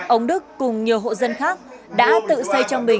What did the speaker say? ông đức cùng nhiều hộ dân khác đã tự xây cho nước sạch này